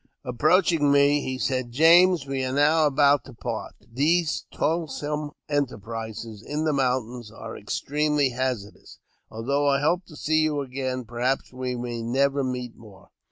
Approaching me, he said, "James, we are now about to part; these toilsome enterprises in the mountains are ex tremely hazardous ; although I hope to see you again, perhaps we may never meet more.